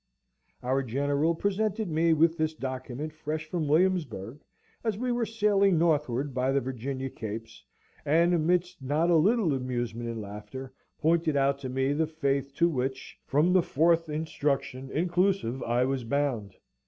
Our General presented me with this document fresh from Williamsburg, as we were sailing northward by the Virginia capes, and, amidst not a little amusement and laughter, pointed out to me the faith to which, from the Fourth inst. inclusive, I was bound.